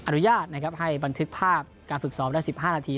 อนุญาตนะครับให้บันทึกภาพการฝึกซ้อมได้๑๕นาที